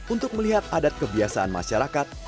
untuk melihat adat kebiasaan masyarakat